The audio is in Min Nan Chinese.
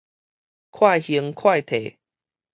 快興快退